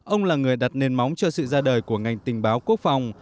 ông là người đặt nền móng cho sự ra đời của ngành tình báo quốc phòng